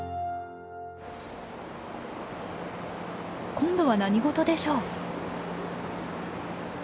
今度は何事でしょう？